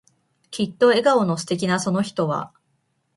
きっと笑顔の素敵なその人は、